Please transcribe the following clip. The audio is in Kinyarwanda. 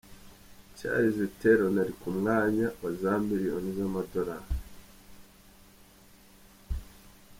Charlize Theron ari ku mwanya wa na miliyoni z’amadolari.